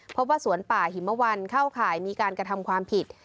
พบว่าสวนป่าหิมวันเข้าข่ายมีการกระทำความผิด